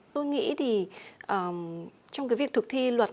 tôi nghĩ thì trong cái việc thực thi luật